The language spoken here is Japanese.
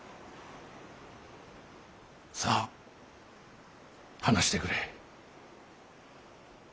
さあ話してくれ。